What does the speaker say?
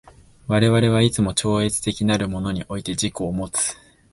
我々はいつも超越的なるものにおいて自己をもつ。